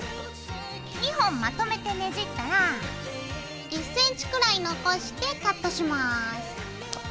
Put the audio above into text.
２本まとめてねじったら１ｃｍくらい残してカットします。